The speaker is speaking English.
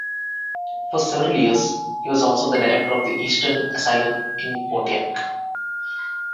For several years, he was also the director of the Eastern Asylum in Pontiac.